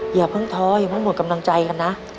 อย่าเพิ่งท้ออย่าเพิ่งหมดกำลังใจกันนะ